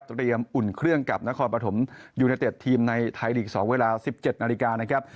พร้อมเตรียมอุ่นเครื่องกับนครปฐมยูเนตเต็ดทีมในไทยลีกสองเวลา๑๗นาฬิกา